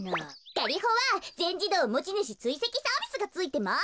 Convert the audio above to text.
ガリホはぜんじどうもちぬしついせきサービスがついてます。